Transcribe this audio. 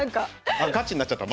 あガチになっちゃった！